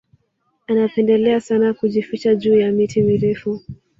Anapendelea sana kujificha juu ya miti mirefu